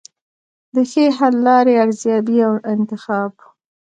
د ښې حل لارې ارزیابي او انتخاب.